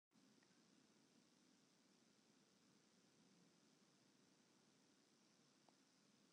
Nei de lêste toanen wurdt wachte op it applaus.